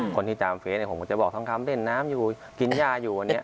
คนที่จามเฟซเนี่ยผมก็จะบอกทองคำเล่นน้ำอยู่กินยาอยู่